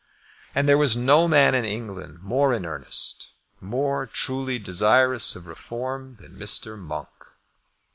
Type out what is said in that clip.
And there was no man in England more in earnest, more truly desirous of Reform, than Mr. Monk.